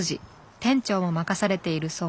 店長も任されているそう。